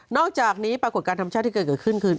อกจากนี้ปรากฏการณ์ธรรมชาติที่เกิดขึ้นคือ